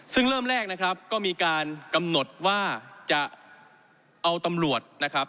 ซึ่งเริ่มแรกนะครับก็มีการกำหนดว่าจะเอาตำรวจนะครับ